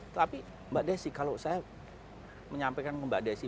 tapi mbak desy kalau saya menyampaikan ke mbak desy